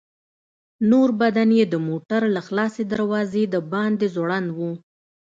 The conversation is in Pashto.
نور بدن يې د موټر له خلاصې دروازې د باندې ځوړند و.